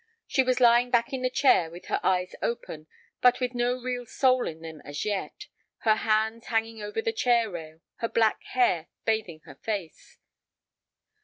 She was lying back in the chair with her eyes open, but with no real soul in them as yet, her hands hanging over the chair rail, her black hair bathing her face.